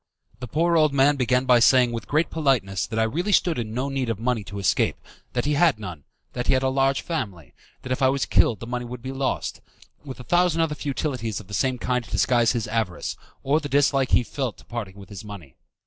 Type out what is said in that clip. The poor old man began by saying with great politeness that I really stood in no need of money to escape, that he had none, that he had a large family, that if I was killed the money would be lost, with a thousand other futilities of the same kind to disguise his avarice, or the dislike he felt to parting with his money.